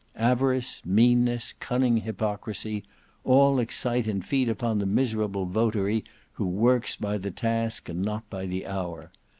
Avarice, meanness, cunning, hypocrisy, all excite and feed upon the miserable votary who works by the task and not by the hour.